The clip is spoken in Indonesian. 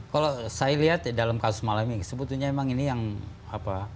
kalau saya lihat dalam kasus malam ini sebetulnya memang ini yang apa